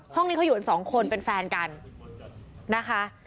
ห้องนี้เขาอยู่กันสองคนเป็นแฟนกันนะคะ